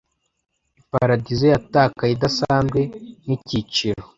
Iparadizo yatakaye idasanzwe nkicyiciro